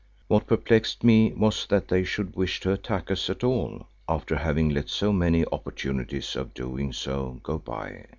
What perplexed me was that they should wish to attack us at all after having let so many opportunities of doing so go by.